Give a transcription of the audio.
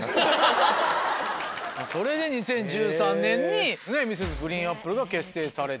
それで２０１３年にＭｒｓ．ＧＲＥＥＮＡＰＰＬＥが結成されて。